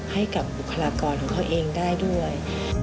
ให้กับบุคลากรของเขาเองได้ด้วย